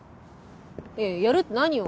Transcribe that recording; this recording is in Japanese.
いややるって何を？